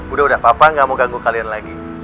udah udah papa gak mau ganggu kalian lagi